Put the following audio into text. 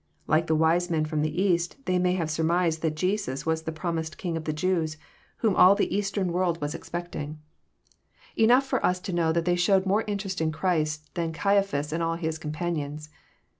Like the wise men from the East, they may have surmised that Jesus was the prom ised King of the Jews, whom all the eastern world was 332 EXFOSITOBT THOUGHTS. expecting. Enough for ns to know that they showed more interest in Christ than Caiaphas and all his com panions.